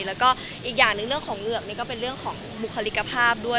แล้วก็อีกอย่างหนึ่งเรื่องของเหงือกนี่ก็เป็นเรื่องของบุคลิกภาพด้วย